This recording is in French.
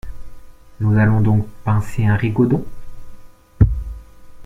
Nous allons donc pincer un rigodon ?…